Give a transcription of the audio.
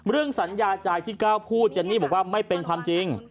เรื่องสัญญาใจที่ก้าวพูดเจนนี่บอกว่าไม่เป็นความจริง